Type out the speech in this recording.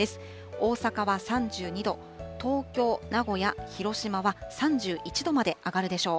大阪は３２度、東京、名古屋、広島は３１度まで上がるでしょう。